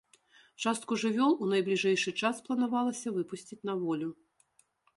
Частку жывёл у найбліжэйшы час планавалася выпусціць на волю.